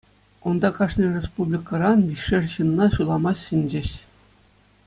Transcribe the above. Унта кашни республикӑран виҫшер ҫынна суйлама сӗнчӗҫ.